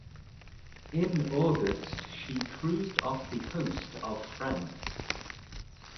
In August she cruised off the coast of France.